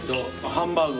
ハンバーグ。